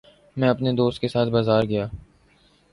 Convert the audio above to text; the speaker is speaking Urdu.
میں اپنے دوست کے ساتھ بازار گیا